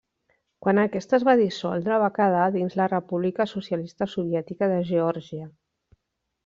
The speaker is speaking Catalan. Quan aquesta es va dissoldre va quedar dins la República Socialista Soviètica de Geòrgia.